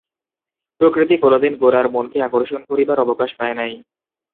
প্রকৃতি কোনোদিন গোরার মনকে আকর্ষণ করিবার অবকাশ পায় নাই।